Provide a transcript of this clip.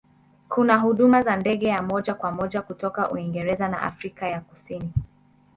Kuna huduma za ndege ya moja kwa moja kutoka Uingereza na Afrika ya Kusini.